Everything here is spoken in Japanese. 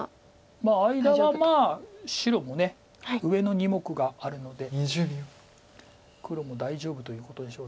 まあ間は白も上の２目があるので黒も大丈夫ということでしょう。